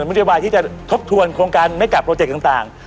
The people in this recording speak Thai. นโยบายที่จะทบทวนโครงการไม่กลับโปรเจกต์ต่าง